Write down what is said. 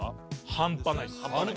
半端ないっす！